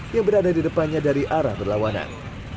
yang berada di depannya dari arah berlawanan